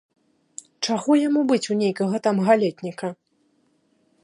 Чаго яму быць у нейкага там галетніка?